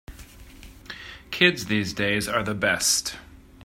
Kids these days are the best.